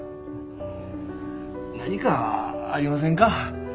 何かありませんか？